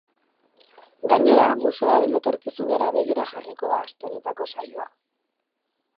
Gainera, museoaren etorkizunera begira jarriko da aste honetako saioa.